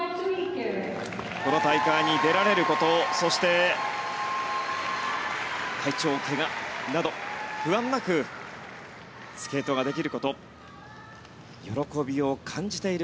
この大会に出られることそして、体調、怪我など不安なくスケートができること喜びを感じている